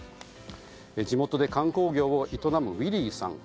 地元で観光業を営むウィリーさん。